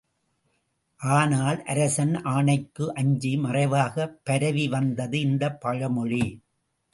ஆனால் அரசன் ஆணைக்கு அஞ்சி மறைவாகப் பரவிவந்தது இந்தப் பழிமொழி.